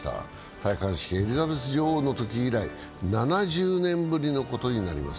戴冠式はエリザベス女王のとき以来、７０年ぶりのことになります。